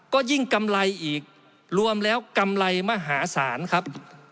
ก็ยิ่งกำไรอีกรวมแล้วกำไรมหาศาลครับ